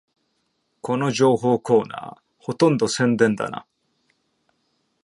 この情報コーナー、ほとんど宣伝だな